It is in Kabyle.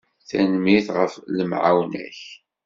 Tanemmirt ɣef lemɛawna-k.